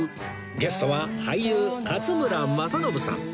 ゲストは俳優勝村政信さん